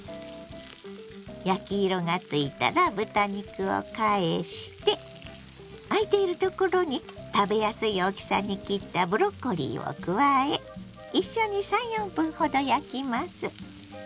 焼き色がついたら豚肉を返してあいているところに食べやすい大きさに切ったブロッコリーを加え一緒に３４分ほど焼きます。